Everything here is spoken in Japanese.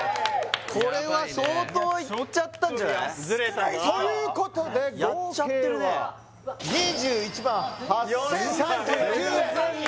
これは相当いっちゃったんじゃない？ということで合計はやっちゃってるね２１万８０３９円全然だ